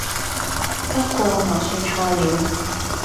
不過我算錯了